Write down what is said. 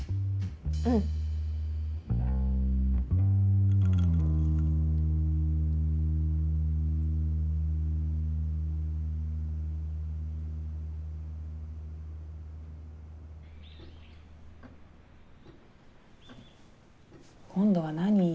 うん。今度は何？